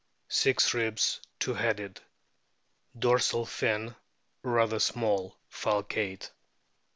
Six ribs two headed. Dorsal fin rather small, falcate.